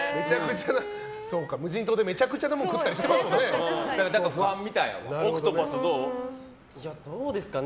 無人島でめちゃくちゃなもん食ったりしてましたもんね。